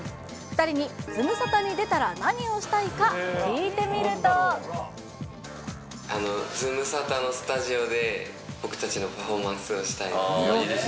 ２人にズムサタに出たら何をしたいか聞いズムサタのスタジオで、僕たちのパフォーマンスをしたいです。